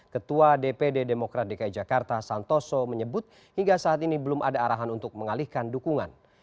ketua dpd demokrat dki jakarta santoso menyebut hingga saat ini belum ada arahan untuk mengalihkan dukungan